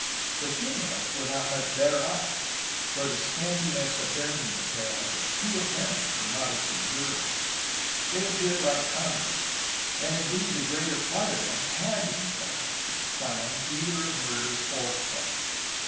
The females were not much better off; for the scantiness of their mean apparel was too apparent for modest observers. They appeared like convicts, and indeed the greater part of them had been charged with the crime either of murder or theft.